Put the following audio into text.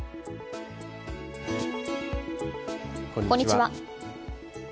こんにちは。